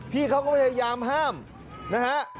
พี่เขาก็พยายามห้ามนะฮะ